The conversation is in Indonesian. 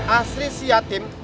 asri si yatim